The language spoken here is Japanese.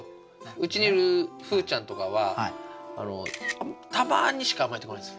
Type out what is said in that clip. うちにいるふうちゃんとかはたまにしか甘えてこないです。